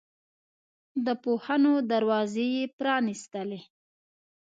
د پوهنو دروازې یې پرانستلې.